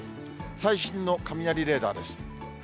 最新の雷レーダーです。